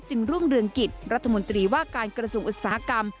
รุ่งเรืองกิจรัฐมนตรีว่าการกระทรวงอุตสาหกรรม